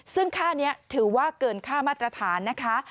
ซึ่งค่านี้ถือว่าเกินค่ามาตรฐานนะคะ